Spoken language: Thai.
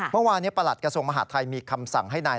เมื่อวานนี้ประหลัดกระทรวงมหาดไทยมีคำสั่งให้นาย